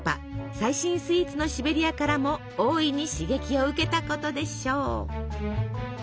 最新スイーツのシベリアからも大いに刺激を受けたことでしょう。